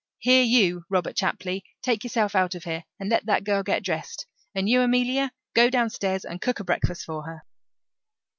Here you, Robert Chapley, take yourself out of here and let that girl get dressed. And you, Amelia, go downstairs and cook a breakfast for her."